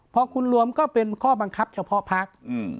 พอคุณรวมก็เป็นข้อบังคับเฉพาะพัก